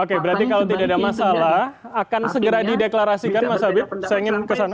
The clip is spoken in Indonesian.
oke berarti kalau tidak ada masalah akan segera dideklarasikan mas habib saya ingin kesana